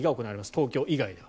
東京以外では。